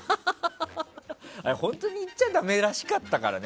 本当に言っちゃダメらしかったからね。